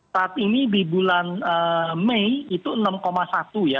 saat ini di bulan mei itu enam satu ya